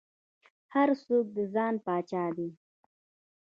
هر څوک د ځان پاچا دى.